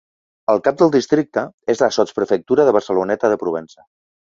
El cap del districte és la sotsprefectura de Barceloneta de Provença.